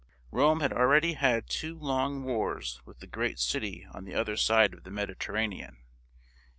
Rome had already had two long wars with the great city on the other side of the Mediterranean.